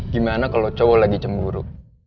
gimana kalau cowok lagi cemburu